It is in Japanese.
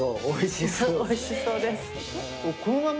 おいしそう。